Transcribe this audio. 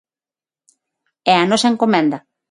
É a nosa encomenda.